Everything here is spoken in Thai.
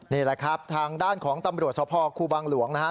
นี่แหละครับทางด้านของตำรวจสภครูบางหลวงนะครับ